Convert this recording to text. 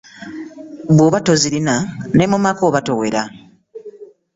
Bw'oba tozirina ne mu maka oba towera.